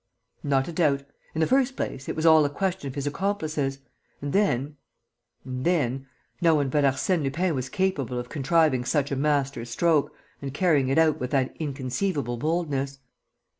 "Not a doubt. In the first place, it was all a question of his accomplices. And then ... and then ... no one but Arsène Lupin was capable of contriving such a master stroke and carrying it out with that inconceivable boldness."